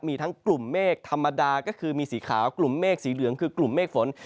มีทั้งกลุ่มเมฆธรรมดาก็คือมีสีขาวกลุ่มเมฆสีเหลืองคือกลุ่มเมฆฝน